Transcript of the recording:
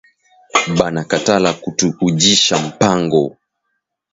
Bana katala kutu ujisha mpango